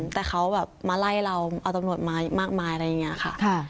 แต่เขาแบบมาไล่เราเอาตำรวจมามากมายอะไรอย่างนี้ค่ะ